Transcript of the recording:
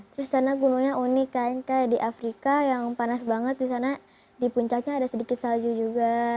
terus sana gunungnya unik kan kayak di afrika yang panas banget di sana di puncaknya ada sedikit salju juga